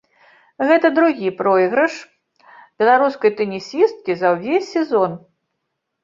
Гэта другі пройгрыш беларускай тэнісісткі за ўвесь сезон.